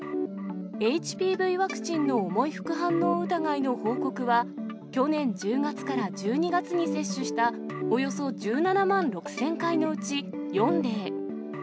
ＨＰＶワクチンの重い副反応疑いの報告は、去年１０月から１２月に接種した、およそ１７万６０００回のうち４例。